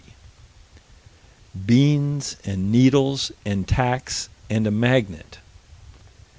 Beans and needles and tacks and a magnet.